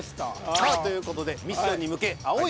さあという事でミッションに向け青い